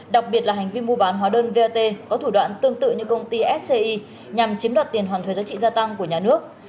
đặc biệt là hành vi mua bán hóa đơn vat có thủ đoạn tương tự như công ty sci nhằm chiếm đoạt tiền hoàn thuế giá trị gia tăng của nhà nước